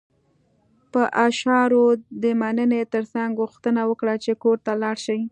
په اشارو يې د مننې ترڅنګ غوښتنه وکړه چې کور ته لاړ شي.